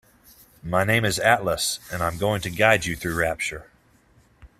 My name is Atlas and I'm going to guide you through Rapture.